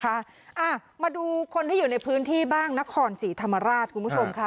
อ่ามาดูคนที่อยู่ในพื้นที่บ้างนครศรีธรรมราชคุณผู้ชมค่ะ